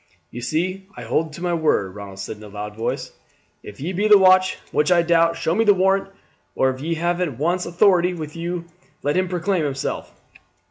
"You see I hold to my word," Ronald said in a loud voice. "If ye be the watch, which I doubt, show me the warrant, or if ye have one in authority with you let him proclaim himself."